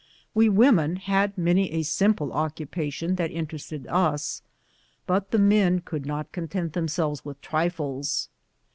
We women had many a simple occupation that interested us, but the men could not content themselves with trifles.